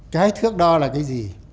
cái thước đo là cái gì